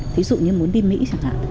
thí dụ như muốn đi mỹ chẳng hạn